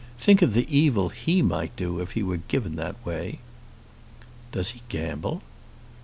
Think of the evil he might do if he were given that way." "Does he gamble?"